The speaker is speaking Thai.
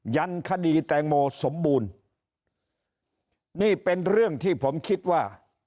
ยันคดีแตงโมสมบูรณ์นี่เป็นเรื่องที่ผมคิดว่า